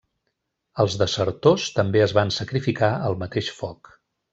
Els desertors també es van sacrificar al mateix foc.